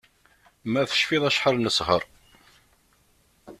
Ma tcfiḍ acḥal nesher